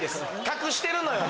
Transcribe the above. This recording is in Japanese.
隠してるのよ。